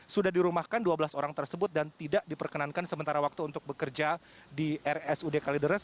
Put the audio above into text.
sudah dirumahkan dua belas orang tersebut dan tidak diperkenankan sementara waktu untuk bekerja di rsud kalideres